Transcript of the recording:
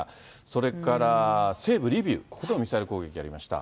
それから、西部リビウ、ここでもミサイル攻撃ありました。